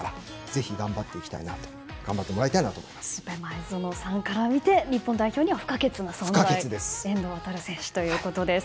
ぜひ頑張ってもらいたいなと前園さんから見て日本代表に不可欠な存在の遠藤航選手ということです。